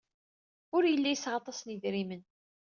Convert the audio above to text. Ur yelli yesɛa aṭas n yedrimen.